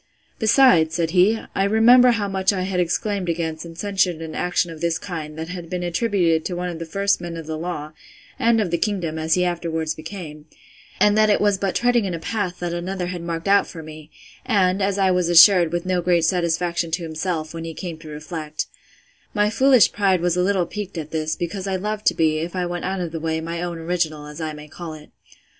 Besides, said he, I remember how much I had exclaimed against and censured an action of this kind, that had been attributed to one of the first men of the law, and of the kingdom, as he afterwards became; and that it was but treading in a path that another had marked out for me; and, as I was assured, with no great satisfaction to himself, when he came to reflect; my foolish pride was a little piqued with this, because I loved to be, if I went out of the way, my own original, as I may call it.